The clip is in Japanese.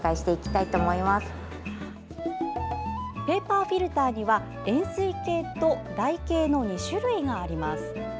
ペーパーフィルターには円すい形と台形の２種類があります。